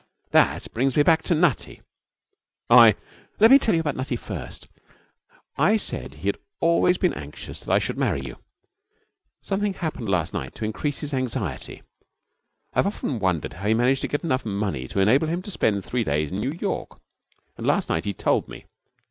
That brings me back to Nutty.' 'I ' 'Let me tell you about Nutty first. I said that he had always been anxious that I should marry you. Something happened last night to increase his anxiety. I have often wondered how he managed to get enough money to enable him to spend three days in New York, and last night he told me.